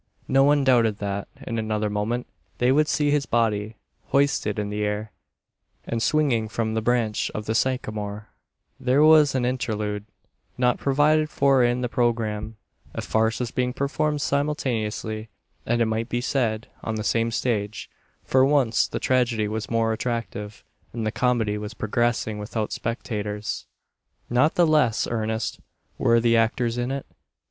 No one doubted that, in another moment, they would see his body hoisted into the air, and swinging from the branch of the sycamore. There was an interlude, not provided for in the programme. A farce was being performed simultaneously; and, it might be said, on the same stage. For once the tragedy was more attractive, and the comedy was progressing without spectators. Not the less earnest were the actors in it.